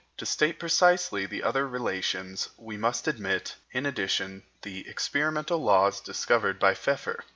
To state precisely the other relations, we must admit, in addition, the experimental laws discovered by Pfeffer.